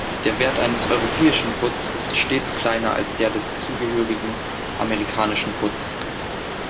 Der Wert eines europäischen Puts ist stets kleiner als der des zugehörigen amerikanischen Puts.